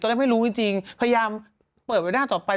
ได้ไม่รู้จริงพยายามเปิดไว้หน้าต่อไป